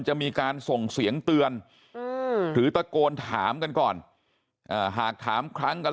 จะมีการส่งเสียงเตือนหรือตะโกนถามกันก่อนหากถามครั้งกัน